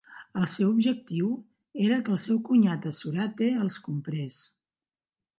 El seu objectiu era que el seu cunyat a Suratte els comprés.